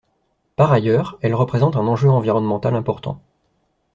Par ailleurs, elle représente un enjeu environnemental important.